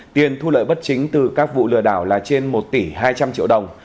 tiền thu lợi bất chính từ các vụ lừa đảo là trên một tỷ hai trăm linh triệu đồng